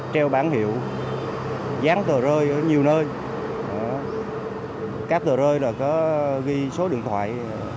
trèo bán hiệu dán tờ rơi ở nhiều nơi các tờ rơi có ghi số điện thoại